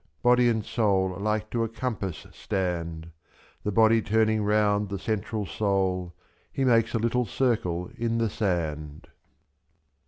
Body and soul like to a compass stand, /4 7.The body turning round the central soul. He makes a little circle in the sand.